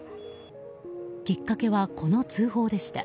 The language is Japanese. きっかけは、この通報でした。